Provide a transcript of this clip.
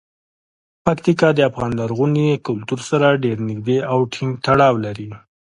پکتیکا د افغان لرغوني کلتور سره ډیر نږدې او ټینګ تړاو لري.